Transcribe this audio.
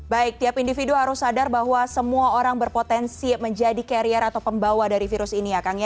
baik tiap individu harus sadar bahwa semua orang berpotensi menjadi karier atau pembawa dari virus ini ya kang ya